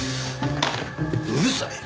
うるさいよ。